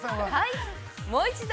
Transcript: ◆もう一度。